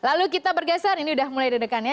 kalau kita bergeser ini udah mulai dedekannya